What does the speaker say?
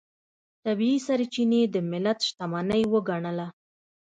طبیعي سرچینې د ملت شتمنۍ وګڼله.